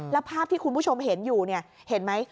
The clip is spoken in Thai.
แล้วภาพที่คุณผู้ชมเห็นอยู่เนี่ยเห็นไหม